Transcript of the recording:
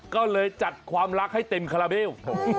ก็เลยจัดความรักให้เต็มคาราเบล